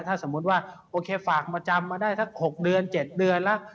ถ้าสมมุติว่าโอเคฝากมาจำมาได้สัก๖เดือน๗เดือนแล้ว